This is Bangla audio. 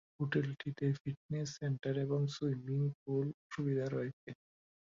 হোটেলটিতে ফিটনেস সেন্টার এবং সুইমিং পুল সুবিধা রয়েছে।